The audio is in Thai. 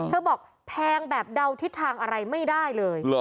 บอกแพงแบบเดาทิศทางอะไรไม่ได้เลย